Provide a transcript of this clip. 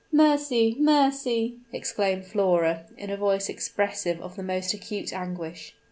"Mercy! Mercy!" exclaimed Flora, in a voice expressive of the most acute anguish.